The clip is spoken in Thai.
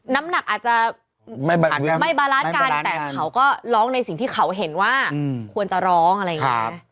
น้ำหนักอาจจะไม่บาลานซ์กันแต่เขาก็ร้องในสิ่งที่เขาเห็นว่าควรจะร้องอะไรอย่างนี้